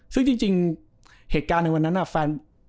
ซึ่งจริงเหตุการณ์ในวันนั้นแฟน